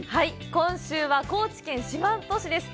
今週は高知県四万十市です。